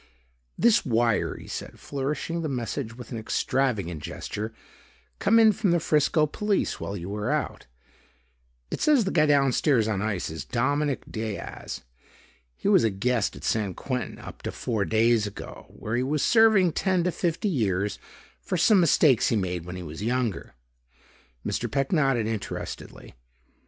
"This wire," he said, flourishing the message with an extravagant gesture, "come in from the Frisco police while you were out. It says the guy downstairs on ice is Dominic Diaz. He was a guest at San Quentin up to four days ago where he was serving ten to fifty years for some mistakes he made when he was younger." Mr. Peck nodded interestedly.